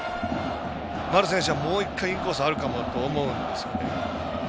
丸選手はもう１回インコースあるかもって思うんですよね。